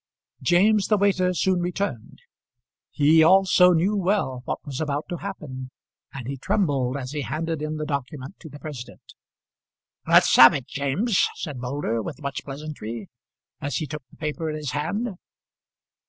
James, the waiter, soon returned. He also knew well what was about to happen, and he trembled as he handed in the document to the president. "Let's have it, James," said Moulder, with much pleasantry, as he took the paper in his hand.